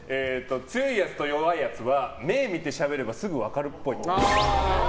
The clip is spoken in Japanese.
強いやつと弱いやつは目見てしゃべればすぐ分かるっぽい。